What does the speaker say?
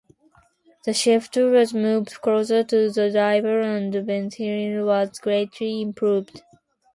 The shifter was moved closer to the driver, and ventilation was greatly improved.